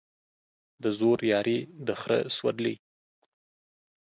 د زورياري ، د خره سورلى.